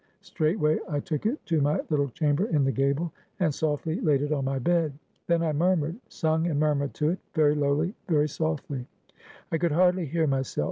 Straightway I took it to my little chamber in the gable, and softly laid it on my bed. Then I murmured; sung and murmured to it; very lowly, very softly; I could hardly hear myself.